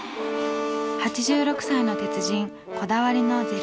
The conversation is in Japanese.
８６歳の鉄人こだわりの絶品餃子。